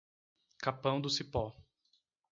Capão do Cipó